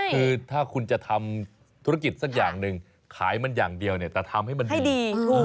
คือถ้าคุณจะทำธุรกิจสักอย่างหนึ่งขายมันอย่างเดียวเนี่ยแต่ทำให้มันดี